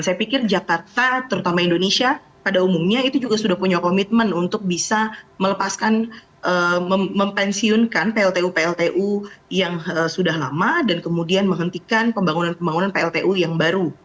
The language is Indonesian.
saya pikir jakarta terutama indonesia pada umumnya itu juga sudah punya komitmen untuk bisa melepaskan mempensiunkan pltu pltu yang sudah lama dan kemudian menghentikan pembangunan pembangunan pltu yang baru